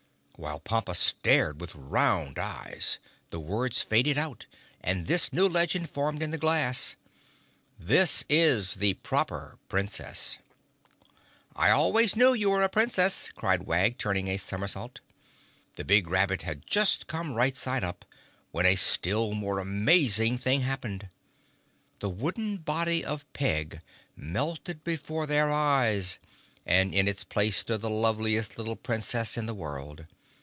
While Pompa stared with round eyes the words faded out and this new legend formed in the glass: This is the Proper Princess. "I always knew you were a Princess," cried Wag, turning a somersault. The big rabbit had just come right side up, when a still more amazing thing happened. The wooden body of Peg melted before their eyes and in its place stood the loveliest little Princess in the world.